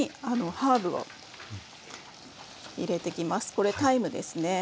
これタイムですね。